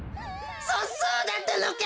そそうだったのか！